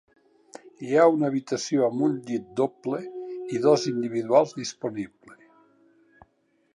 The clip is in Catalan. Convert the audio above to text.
Hi ha una habitació amb un llit doble i dos individuals disponible.